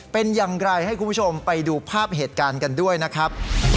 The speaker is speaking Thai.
เป็นอย่างไรให้คุณผู้ชมไปดูภาพเหตุการณ์กันด้วยนะครับ